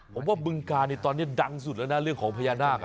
ผมว่าบึงกาลตอนนี้ดังสุดแล้วนะเรื่องของพญานาค